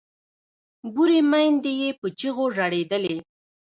بورې میندې یې په چیغو ژړېدلې